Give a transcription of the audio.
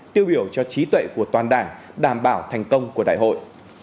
tiêu biểu cho trí tuệ của toàn đảng đảm bảo thành công của đại hội